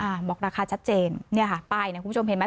บอกราคาชัดเจนเนี่ยค่ะป้ายเนี่ยคุณผู้ชมเห็นไหม